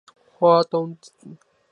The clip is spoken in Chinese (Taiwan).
花東鐵路